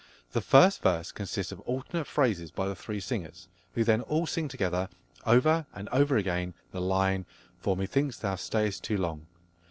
The first verse consists of alternate phrases by the three singers, who then all sing together, over and over again, the line "For methinks thou stay'st too long."